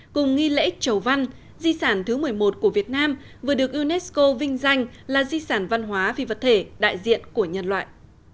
cùng nghi lễ chầu văn di sản thứ một mươi một của việt nam vừa được unesco vinh danh là di sản văn hóa phi vật thể đại diện của nhân loại